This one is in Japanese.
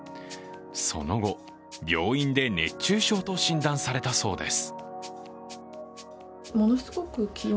その後、病院で熱中症と診断されたそうです。